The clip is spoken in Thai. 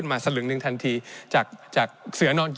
ในช่วงที่สุดในรอบ๑๖ปี